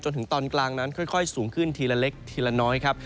จนถึงตอนกลางนั้นค่อยสูงขึ้นทีละเล็กทีละน้อยครับ